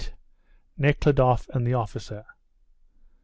NEKHLUDOFF AND THE OFFICER.